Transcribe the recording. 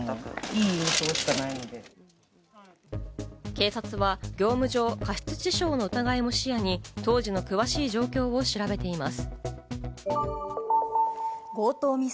警察は業務上過失致傷の疑いも視野に当時の詳しい状況を調べています。